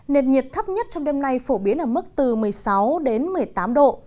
nền nhiệt thấp nhất trong đêm nay phổ biến ở mức từ một mươi sáu đến một mươi tám độ